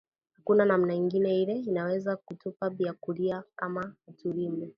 Akuna namna ingine ile inaweza ku tupa byakuria kama atu rime